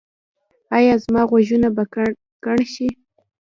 ایا زما غوږونه به کڼ شي؟